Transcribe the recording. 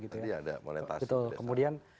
tadi ada molentasi kemudian